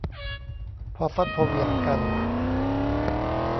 พอฟัดพอเหวี่ยงกัน